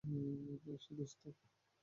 এসো, দোস্ত।